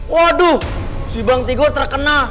waduh si bang tigo terkenal